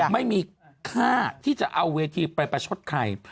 ไม่มีค่าที่จะเอาเวทีไปประชดใคร